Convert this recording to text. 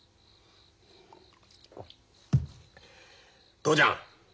父ちゃん